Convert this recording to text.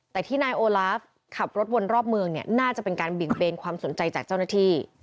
แต่ที่นายโอลาฟขับรถวนรอบเมืองเนี่ยน่าจะเป็นการเบี่ยงเบนความสนใจจากเจ้าหน้าที่